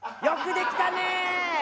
よくできた！